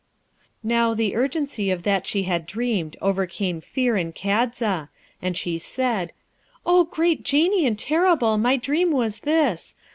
Now, the urgency of that she had dreamed overcame fear in Kadza, and she said, 'O great Genie and terrible, my dream was this.